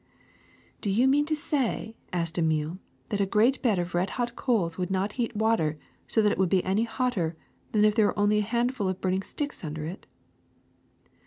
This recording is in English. '^ ^^Do you mean to say,'' asked Emile, ^Hhat a great bed of red hot coals would not heat water so that it would be any hotter than if there were only a handful of burning sticks under it